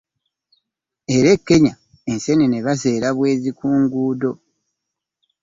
Era e Kenya ensenene bazera bwezi ku luguuddo.